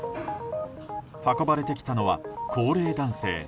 運ばれてきたのは高齢男性。